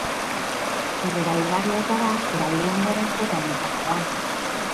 Berrerabilgarria ez bada, erabili ondoren bota egin beharko da.